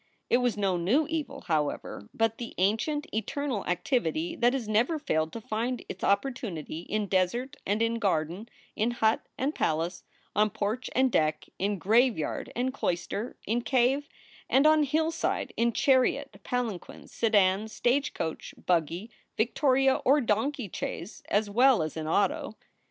It was no new evil, however, but the ancient, eternal activity that has never failed to find its opportunity in desert and in garden, in hut and palace, on porch and deck, in graveyard and clois ter, in cave and on hillside, in chariot, palanquin, sedan, stage coach, buggy, Victoria, or donkey chaise as well as in auto.